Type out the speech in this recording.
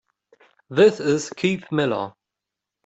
This is Keith Miller.